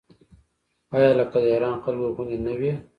آیا لکه د ایران خلکو غوندې نه وي؟